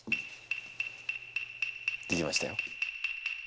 できましたよ。